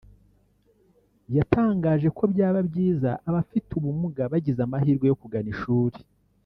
yatangaje ko byaba byiza abafite ubumuga bagize amahirwe yo kugana ishuri